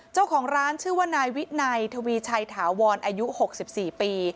เจ้าของร้านชื่อว่านายวินัยทวีชัยถาวรอายุ๖๔ปี